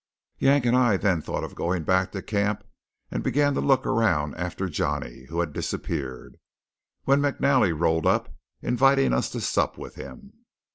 Yank and I then thought of going back to camp, and began to look around after Johnny, who had disappeared, when McNally rolled up, inviting us to sup with him.